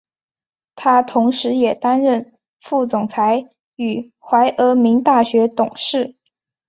他同时也担任副总裁与怀俄明大学董事。